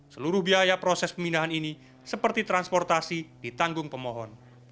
seluruh biaya proses pemindahan ini seperti transportasi ditanggung pemohon